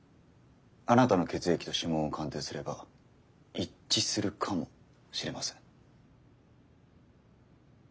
あなたの血液と指紋を鑑定すれば一致するかもしれません。